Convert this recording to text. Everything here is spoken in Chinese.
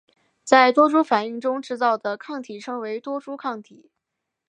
在多株反应中制造的抗体称为多株抗体。